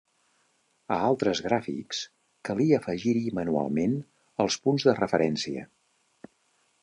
A altres gràfics calia afegir-hi manualment els punts de referència.